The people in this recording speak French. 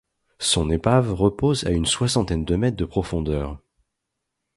Son épave repose à une soixantaine de mètres de profondeur.